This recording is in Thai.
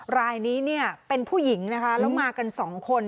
รายนี้เนี่ยเป็นผู้หญิงนะคะแล้วมากันสองคน